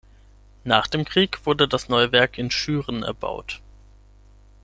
Nach dem Krieg wurde das neue Werk in Schüren erbaut.